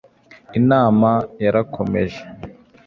inama yarakomeje